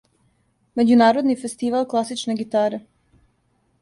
Међународни фестивал класичне гитаре.